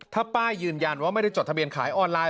ถ้าป้ายืนยันว่าไม่ได้จดทะเบียนขายออนไลน